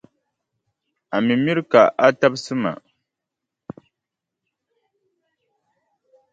A mi mira ka a tabisi ma.